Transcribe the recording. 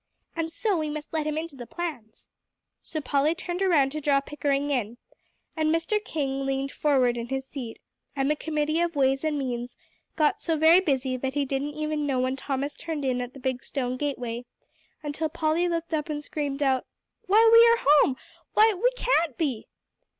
"And so we must let him into the plans." So Polly turned around to draw Pickering in, and old Mr. King leaned forward in his seat, and the committee of ways and means got so very busy that they didn't even know when Thomas turned in at the big stone gateway, until Polly looked up and screamed out, "Why, we are home! Why, we can't be!"